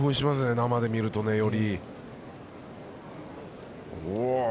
生で見るとより。